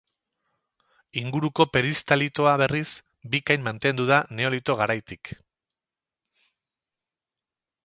Inguruko peristalitoa, berriz, bikain mantendu da neolito garaitik.